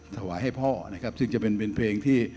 ถวายให้พ่อนะครับซึ่งจะเป็นเป็นเพลงที่